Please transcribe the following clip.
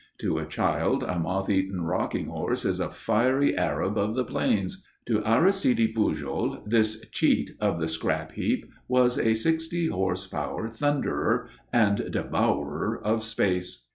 To a child a moth eaten rocking horse is a fiery Arab of the plains; to Aristide Pujol this cheat of the scrap heap was a sixty horse power thunderer and devourer of space.